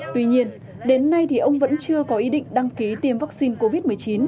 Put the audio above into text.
tuy nhiên đến nay thì ông vẫn chưa có ý định đăng ký tiêm vaccine covid một mươi chín